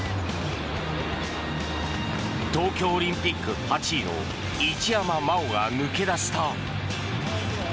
東京オリンピック８位の一山麻緒が抜け出した。